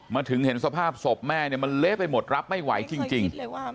มาถึงเห็นสภาพศพแม่มันเละไปหมดรับไม่ไหวจริง